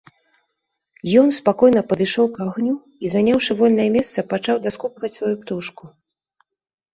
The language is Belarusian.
Ён спакойна падышоў к агню і, заняўшы вольнае месца, пачаў даскубваць сваю птушку.